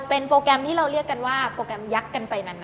เป็นโปรแกรมที่เราเรียกกันว่าโปรแกรมยักษ์กันไปนาน